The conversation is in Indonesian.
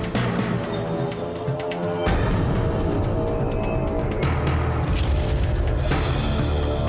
walaupun harimau mereka ya